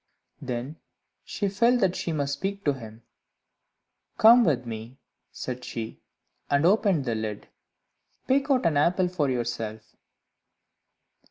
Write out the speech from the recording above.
Then she felt that she must speak to him. "Come with me," said she, and opened the lid; "pick out an apple for yourself."